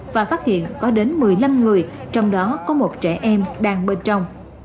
và phát hiện có đến một mươi năm người trong đó có một trẻ em đang bên trong